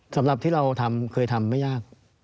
สำหรับที่เราทำเคยทำไม่ยาก